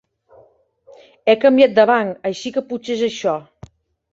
He canviat de banc així que potser és això.